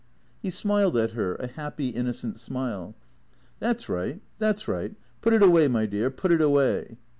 He smiled at her, a happy, innocent smile. " That 's right, that 's right. Put it away, my dear, put it away."